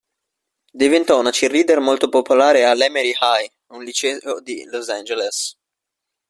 Diventò una cheerleader molto popolare all"Hemery High", un liceo di Los Angeles.